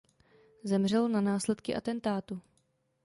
Zemřel na následky atentátu.